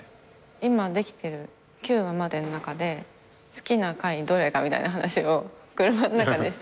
今できてる９話までの中で好きな回どれかみたいな話を車ん中でして。